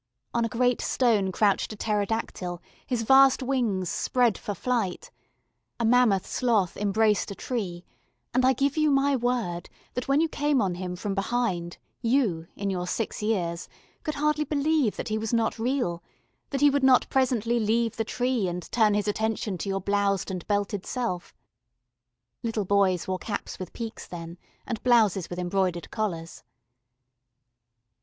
On a great stone crouched a Pterodactyl, his vast wings spread for flight. A mammoth sloth embraced a tree, and I give you my word that when you came on him from behind, you, in your six years, could hardly believe that he was not real, that he would not presently leave the tree and turn his attention to your bloused and belted self. (Little boys wore caps with peaks then, and blouses with embroidered collars.)